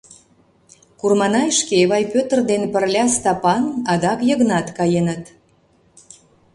Курманайышке Эвай Пӧтыр дене пырля Стапан, адак Йыгнат каеныт.